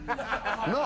なあ？